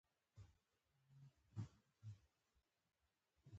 د ټونس ولسمشر زین العابدین بن علي له واکه ګوښه شو.